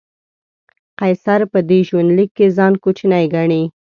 قیصر په دې ژوندلیک کې ځان کوچنی ګڼي.